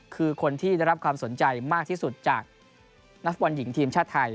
คือคนที่ได้รับความสนใจมากที่สุดจากนักฟุตบอลหญิงทีมชาติไทย